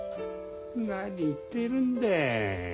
何言ってるんだい。